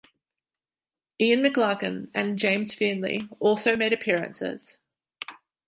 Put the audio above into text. Ian McLagen and James Fearnley also made appearances.